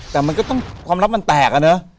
แต่มันก็ต้องความลับมันแตกอะเนอะ